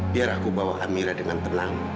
biar aku bawa amira dengan tenang